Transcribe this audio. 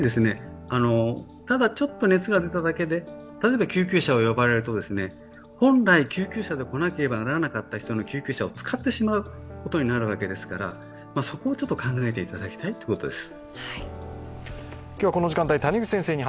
ただちょっと熱が出ただけで、例えば救急車を呼ばれると本来、救急車で来なければならなかった人の救急車を使ってしまうことになるわけですから、そこをちょっと考えていただきたいということです。